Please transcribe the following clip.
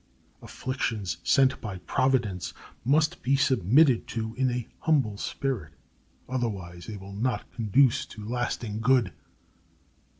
Afflictions sent by Providence must be submitted to in a humble spirit. Otherwise they will not conduce to lasting good.